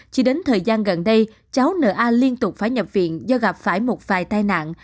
chỉ đến thời gian gần đây cháu na liên tục phải nhập viện do gặp phải một vài tai nạn